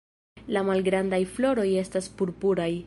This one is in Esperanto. La malgrandaj floroj estas purpuraj.